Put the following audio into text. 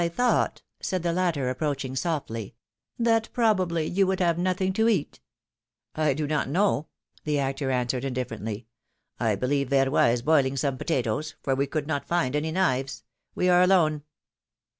thought,'^ said the latter, approaching softly, ^^that probably you would have nothing to eat.'' do not know," the actor answered, indifferently; believe Verroy is boiling some potatoes, for we could not find any knives: we are alone."